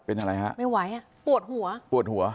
เป็นอะไรฮะไม่ไหวอ่ะปวดหัวปวดหัว